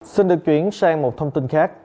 xin được chuyển sang một thông tin khác